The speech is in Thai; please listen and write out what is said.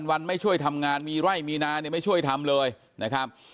วันไม่ช่วยทำงานมีไร่มีนาเนี่ยไม่ช่วยทำเลยนะครับ